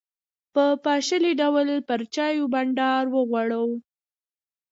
په پاشلي ډول پر چایو بانډار وغوړاوه.